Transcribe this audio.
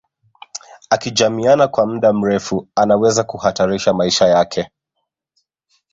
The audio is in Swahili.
Akijamiiana kwa mda mrefu anaweza kuhatarisha maisha yake